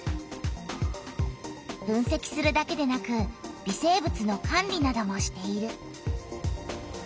分せきするだけでなく微生物の管理などもしている。